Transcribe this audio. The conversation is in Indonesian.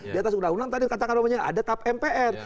di atas undang undang tadi katakan ada tap mpr